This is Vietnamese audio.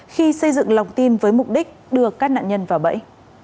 khi xây dựng lòng tin với mục đích đưa các nạn nhân vào bẫy